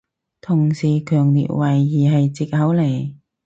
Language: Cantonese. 同事強烈懷疑係藉口嚟